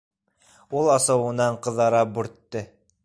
Ул асыуынан ҡыҙара бүртте.